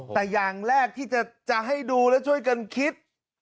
แต่อย่างแรกที่จะให้ดูแล้วช่วยกันคิด